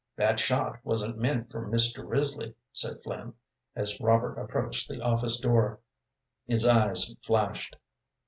"That shot wasn't meant for Mr. Risley," said Flynn, as Robert approached the office door. His eyes flashed.